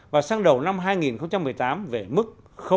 và sang đầu năm hai nghìn một mươi tám về mức